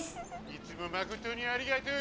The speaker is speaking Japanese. いつもまことにありがとう。